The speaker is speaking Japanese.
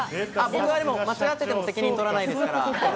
僕は間違ってても責任取らないですから。